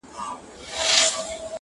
چت يم نړېږمه د عمر چي آخره ده اوس-